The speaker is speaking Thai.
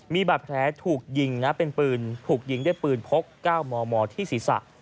มีบาดแผลถูกยิงนะเป็นปืนถูกยิงด้วยปืนพก๙มมที่ศีรษะ